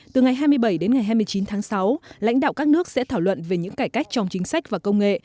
từ ngày hai mươi bảy đến ngày hai mươi chín tháng sáu lãnh đạo các nước sẽ thảo luận về những cải cách trong chính sách và công nghệ